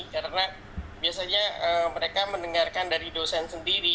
karena biasanya mereka mendengarkan dari dosen sendiri